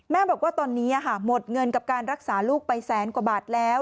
บอกว่าตอนนี้หมดเงินกับการรักษาลูกไปแสนกว่าบาทแล้ว